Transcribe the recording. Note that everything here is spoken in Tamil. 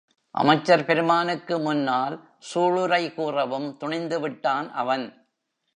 அமைச்சர் பெருமானுக்கு முன்னால் சூளுரை கூறவும் துணிந்துவிட்டான் அவன்.